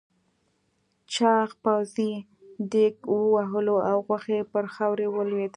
چاغ پوځي دېگ ووهلو او غوښې پر خاورو ولوېدې.